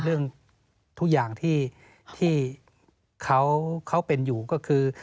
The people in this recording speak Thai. เรื่องทุกอย่างที่เขาเป็นอยู่ก็คือ